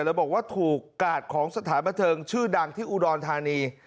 แล้วบอกว่าถูกกาดของสถานบันเทิงชื่อดังที่อุดรธานี